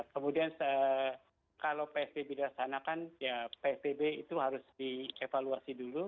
kemudian kalau psbb dilaksanakan ya psbb itu harus dievaluasi dulu